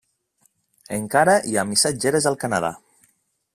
Encara hi ha missatgeres al Canadà.